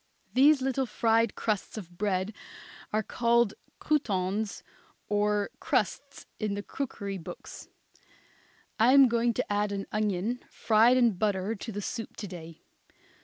These little fried crusts of bread are called croutons or crusts in the cookery books. I am going to add an onion fried in butter to the soup to day.